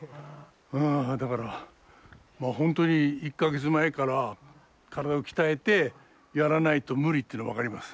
うんだから本当に１か月前から体を鍛えてやらないと無理っていうの分かります。